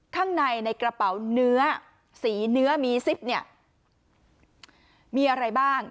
ข้างในในกระเป๋าเนื้อสีเนื้อมีซิปเนี่ยมีอะไรบ้าง